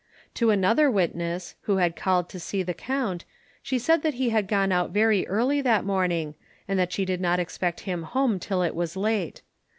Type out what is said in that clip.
To another witness, who had called to see the count, she said that he had gone out very early that morning, and that she did not expect him home until it was late.